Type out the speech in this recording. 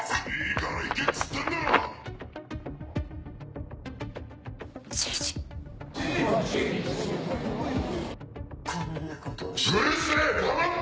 ・こんなことをして。